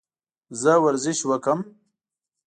زه ورزش وکم؟